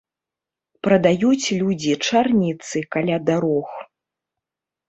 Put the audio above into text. Прадаюць людзі чарніцы каля дарог.